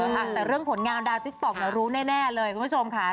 แต่เรื่องผลงานดาวติ๊กต๊อกรู้แน่เลยคุณผู้ชมค่ะ